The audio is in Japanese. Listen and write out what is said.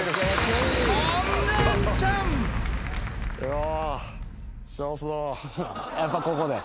やっぱここで。